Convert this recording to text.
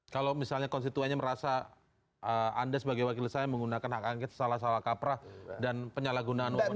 kalau misalnya konstituennya merasa anda sebagai wakil saya menggunakan hak angket salah salah kaprah dan penyalahgunaan undang undang